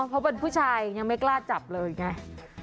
เพราะเป็นผู้ชายยังไม่กล้าจับเลยไง